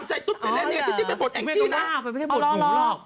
ไม่ใช่บทหนูหรอก